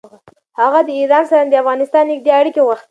هغه د ایران سره د افغانستان نېږدې اړیکې غوښتې.